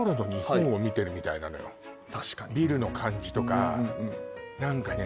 確かにビルの感じとか何かね